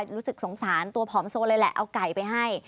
รู้สึกสงสารตัวผอมโซนเลยแหละเอาไก่ไปให้